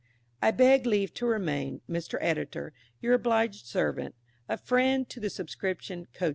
I beg leave to remain, Mr. Editor, Your obliged Servant, A FRIEND TO THE SUBSCRIPTION COACHES.